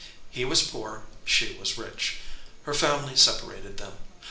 He was poor, she was rich. Her family separated them.